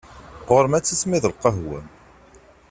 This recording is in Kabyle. Ɣur-m ad tismiḍ lqahwa-m!